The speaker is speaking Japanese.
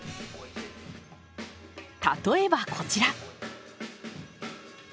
例えばこちら。